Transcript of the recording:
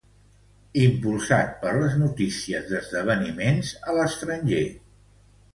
Impulsat per les notícies d'esdeveniments a l'estranger.